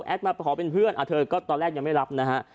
มาขอเป็นเพื่อนเธอก็ตอนแรกยังไม่รับนะฮะ